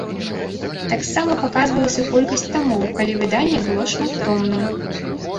Таксама паказвалася колькасць тамоў, калі выданне было шматтомным.